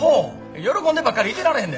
喜んでばっかりいてられへんで。